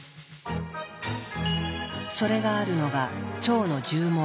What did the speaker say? それがあるのが腸の絨毛。